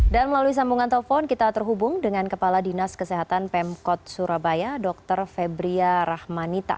dan melalui sambungan telepon kita terhubung dengan kepala dinas kesehatan pemkot surabaya dr febria rahmanita